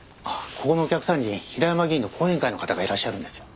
ここのお客さんに平山議員の後援会の方がいらっしゃるんですよ。